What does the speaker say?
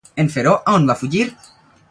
En fer-ho, a on va fugir?